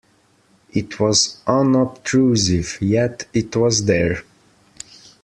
It was unobtrusive, yet it was there.